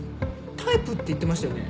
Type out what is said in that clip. タイプって言ってましたよね？